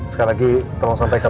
sekali lagi tolong sampai ke malang